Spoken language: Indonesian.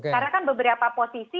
karena kan beberapa posisi